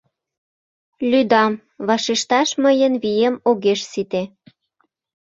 — Лӱдам, вашешташ мыйын вием огеш сите.